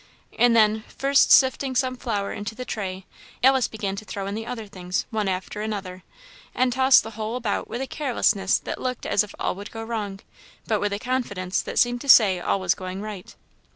And then, first sifting some flour into the tray, Alice began to throw in the other things one after another, and toss the whole about with a carelessness that looked as if all would go wrong, but with a confidence that seemed to say all was going right.